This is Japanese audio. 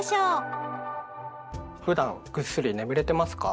ふだんぐっすり眠れてますか？